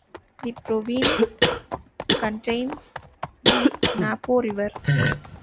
The province contains the Napo River.